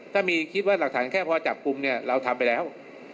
ถ้ามีคิดว่าหลักฐานแค่พอจับกลุ่มเนี่ยเราทำไปแล้ว